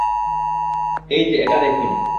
এই যে এটা দেখুন।